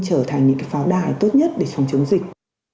trở thành những pháo đài tốt nhất để phòng chống dịch